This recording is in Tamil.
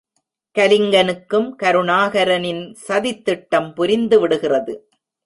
கலிங்கனுக்கும் கருணாகரனின் சதித்திட்டம் புரிந்து விடுகிறது.